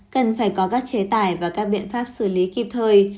cần phải có các chế tài và các biện pháp xử lý kịp thời